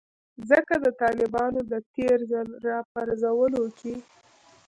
ځکه د طالبانو د تیر ځل راپرځولو کې